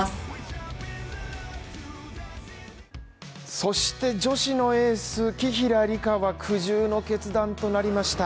そして女子のエース・紀平梨花は苦渋の決断となりました。